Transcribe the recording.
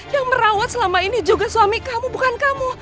yang merawat selama ini juga suami kamu bukan kamu